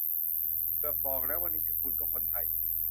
เกือบบอกแล้วว่านิชคุนก็คนไทย